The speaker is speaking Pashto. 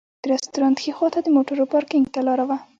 د رسټورانټ ښي خواته د موټرو پارکېنګ ته لاره وه.